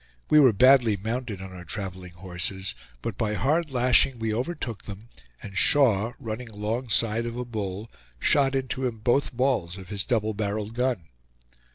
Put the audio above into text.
We were badly mounted on our traveling horses, but by hard lashing we overtook them, and Shaw, running alongside of a bull, shot into him both balls of his double barreled gun.